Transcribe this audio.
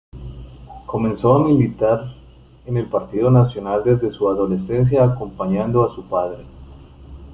Comenzó a militar en el Partido Nacional desde su adolescencia, acompañando a su padre.